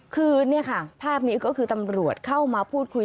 คือเนี่ยค่ะภาพนี้ก็คือตำรวจเข้ามาพูดคุย